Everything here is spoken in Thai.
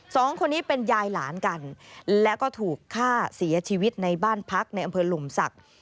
สองคนนี้เป็นยายหลานกันและก็ถูกฆ่าเสียชีวิตในบ้านพักในอำเภอหลุมศักดิ์